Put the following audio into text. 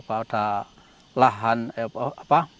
ada lahan apa